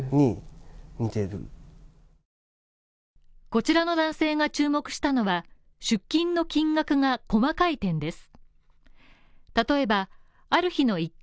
こちらの男性が注目したのは出金の金額が細かい点です。